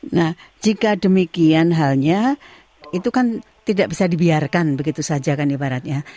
nah jika demikian halnya itu kan tidak bisa dibiarkan begitu saja kan ibaratnya